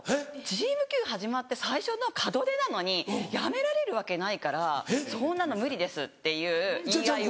チームＱ始まって最初の門出なのにやめられるわけないからそんなの無理ですっていう言い合いを。